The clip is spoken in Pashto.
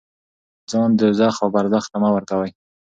ځان دوزخ او برزخ ته مه ورکوئ.